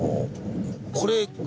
これ。